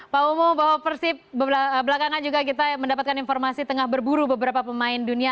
pak umu bahwa persib belakangan juga kita mendapatkan informasi tengah berburu beberapa pemain dunia